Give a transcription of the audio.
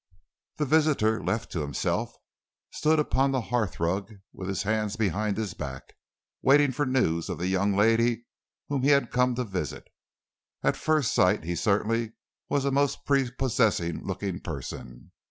The visitor, left to himself, stood upon the hearthrug with his hands behind his back, waiting for news of the young lady whom he had come to visit. At first sight he certainly was a most prepossessing looking person.